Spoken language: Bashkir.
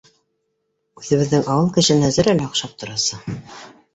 —Үҙебеҙҙең ауыл кешеһенә зерә лә оҡшап торасы